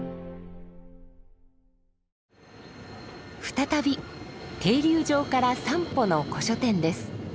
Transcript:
再び停留場から三歩の古書店です。